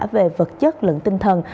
về vật chất lượng tinh thần